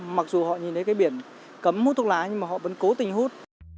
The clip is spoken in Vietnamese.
mặc dù họ nhìn thấy cái biển cấm hút thuốc lá nhưng mà họ vẫn cố tình hút